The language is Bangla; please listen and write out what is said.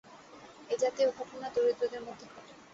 এ-জাতীয় ঘটনা দরিদ্রদের মধ্যে ঘটে।